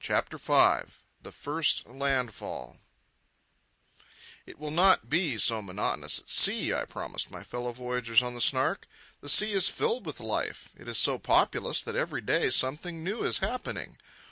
CHAPTER V THE FIRST LANDFALL "It will not be so monotonous at sea," I promised my fellow voyagers on the Snark. "The sea is filled with life. It is so populous that every day something new is happening.